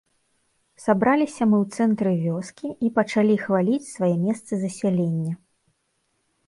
Сабраліся мы ў цэнтры вёскі і пачалі хваліць свае месцы засялення.